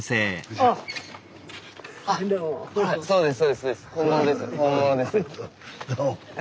ああそうですか。